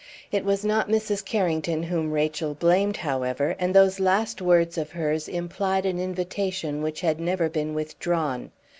It was not Mrs. Carrington whom Rachel blamed, however, and those last words of hers implied an invitation which had never been withdrawn.